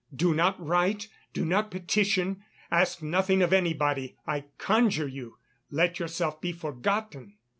Do not write, do not petition; ask nothing of anybody, I conjure you, let yourself be forgotten."